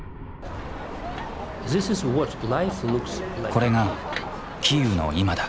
これがキーウの今だ。